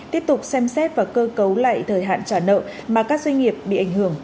tiếp tục xem xét và cơ cấu lại thời hạn trả nợ mà các doanh nghiệp bị ảnh hưởng